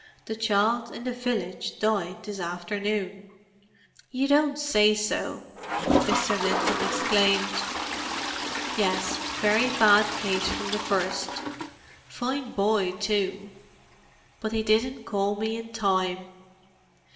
The child in the village died this afternoon." "You don't say so!" Mr. Linton exclaimed. "Yes; very bad case from the first. Fine boy, too—but they didn't call me in time.